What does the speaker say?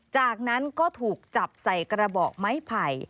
จากนั้นก็ถูกจับใส่กระบอกไม้ไผ่